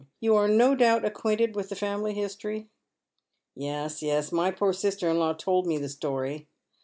You are no doubt acquainted with the family history." " Yes, yes, my poor sister in law told me the story."